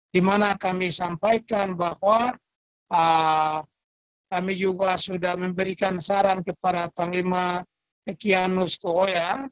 di mana kami sampaikan bahwa kami juga sudah memberikan saran kepada panglima ekianus kohoya